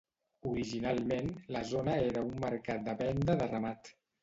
Originalment, la zona era un mercat de venda de ramat.